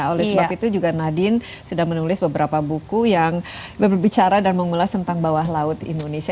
oleh sebab itu juga nadine sudah menulis beberapa buku yang berbicara dan mengulas tentang bawah laut indonesia